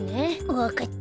わかった。